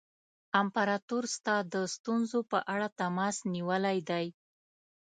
امپراطور ستا د ستونزو په اړه تماس نیولی دی.